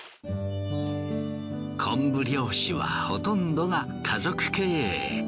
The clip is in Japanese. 昆布漁師はほとんどが家族経営。